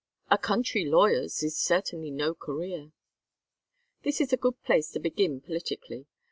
"A country lawyer's is certainly no career." "This is a good place to begin politically.